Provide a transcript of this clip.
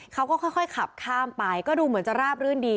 เขาก็ค่อยขับข้ามไปก็ดูเหมือนจะราบรื่นดี